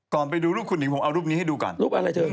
ก่อนไปดูรูปกูหนิงผมเอารูปนี้ให้ดูก่อนรูปอะไรเถอะ